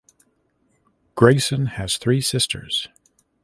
Grayson has three sisters.